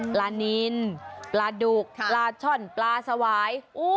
ปลานินปลาดุกปลาช่อนปลาสวาย